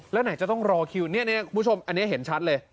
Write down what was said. แล้วไหนจะต้องรอคิวเนี่ยคุณผู้ชมอันนี้เห็นชัดเลย